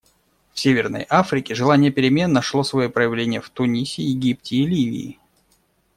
В Северной Африке желание перемен нашло свое проявление в Тунисе, Египте и Ливии.